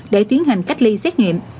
để tiến hành cách ly xét nghiệm